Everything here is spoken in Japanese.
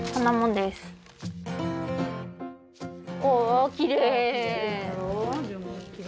おおきれい！